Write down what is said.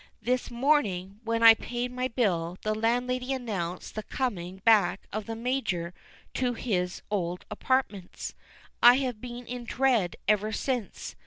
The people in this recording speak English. This morning, when I paid my bill, the landlady announced the coming back of the Major to his old apartments. I have been in dread ever since.